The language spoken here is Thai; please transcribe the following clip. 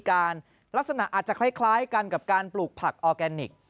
ลักษณะอาจจะคล้ายกันกับการปลูกผักออร์แกนิค